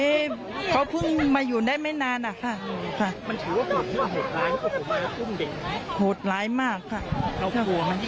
อ้าวค่ะเขาเพิ่งมาอยู่ได้ไม่นานอ่ะค่ะค่ะมันถือว่าโหดร้ายโหดร้ายมากค่ะ